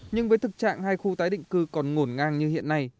nhưng với thực trạng hai khu tái định cư còn ngổn ngang như hiện nay